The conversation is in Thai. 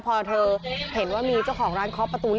พอเธอเห็นว่ามีเจ้าของร้านเคาะประตู